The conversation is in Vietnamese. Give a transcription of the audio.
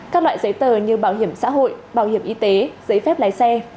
các loại giấy tờ như bảo hiểm xã hội bảo hiểm y tế giấy phép lái xe